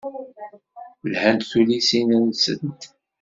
Lhant tullisin-nsent.